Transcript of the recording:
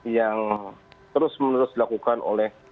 yang terus menerus dilakukan oleh